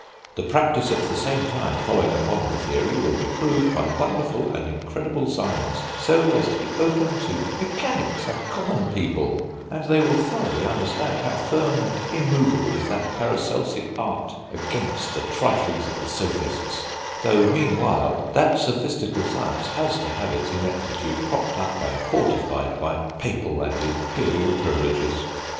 The practice at the same time following upon the theory will be proved by wonderful and incredible signs, so as to be open to mechanics and common people, and they will thoroughly understand how firm and immovable is that Paracelsic Art against the triflings of the Sophists; though meanwhile that sophistical science has to have its ineptitude propped up and fortified by papal and imperial privileges....